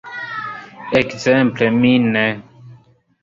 Ekzemple mi ne.